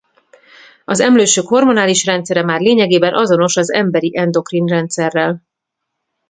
Az emlősök hormonális rendszere már lényegében azonos az emberi endokrin rendszerrel.